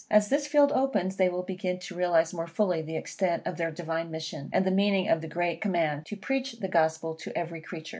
As this field opens they will begin to realize more fully the extent of their divine mission, and the meaning of the great command to "Preach the Gospel to every creature."